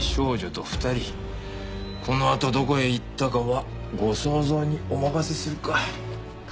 「このあとどこへ行ったかはご想像にお任せする」か。